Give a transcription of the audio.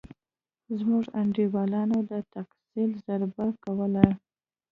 زموږ انډيوالانو د ثقيل ضربې کولې.